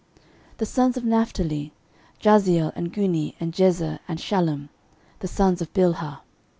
13:007:013 The sons of Naphtali; Jahziel, and Guni, and Jezer, and Shallum, the sons of Bilhah.